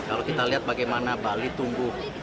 kalau kita lihat bagaimana bali tumbuh